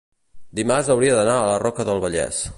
dimarts hauria d'anar a la Roca del Vallès.